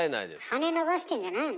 羽伸ばしてんじゃないの？